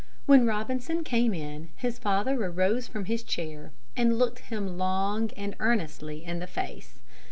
When Robinson came in his father arose from his chair and looked him long and earnestly in the face.